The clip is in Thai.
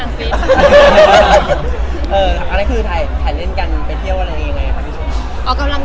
อะเนี่ยคือแถนเล่นกันไปเที่ยวอะไรยังไงค่ะพี่ชม